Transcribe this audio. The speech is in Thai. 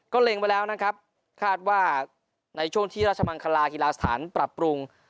เล็งไปแล้วนะครับคาดว่าในช่วงที่ราชมังคลากีฬาสถานปรับปรุง